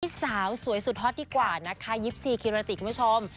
สาวสวยสุดฮอตดีกว่านะคะ๒๔กิราติกคุณผู้ชม